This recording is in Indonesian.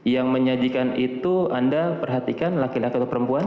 yang menyajikan itu anda perhatikan laki laki atau perempuan